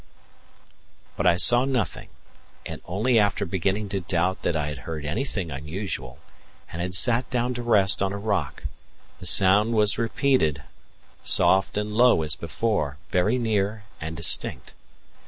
But I saw nothing; and only after beginning to doubt that I had heard anything unusual, and had sat down to rest on a rock, the sound was repeated, soft and low as before, very near and distinct.